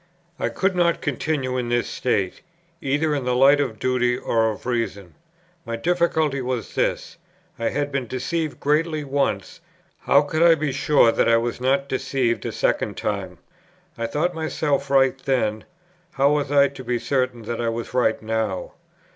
I could not continue in this state, either in the light of duty or of reason. My difficulty was this: I had been deceived greatly once; how could I be sure that I was not deceived a second time? I thought myself right then; how was I to be certain that I was right now?